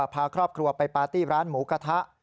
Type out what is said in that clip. พาครอบครัวไปปาร์ตี้ร้านหมูกระทะ